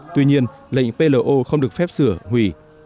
tuy nhiên lệnh plo không được phép sửa hủy